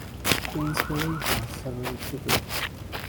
Queensberry has several siblings.